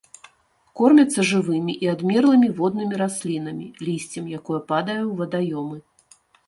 Кормяцца жывымі і адмерлымі воднымі раслінамі, лісцем, якое падае ў вадаёмы.